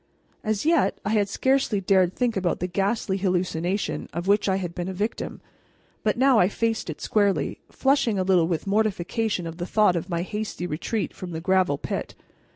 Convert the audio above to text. As yet I had scarcely dared think about the ghastly hallucination of which I had been a victim, but now I faced it squarely, flushing a little with mortification at the thought of my hasty retreat from the gravel pit.